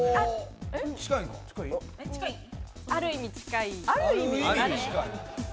ある意味近い。